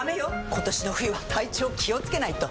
今年の冬は体調気をつけないと！